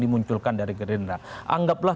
dimunculkan dari gerindra anggaplah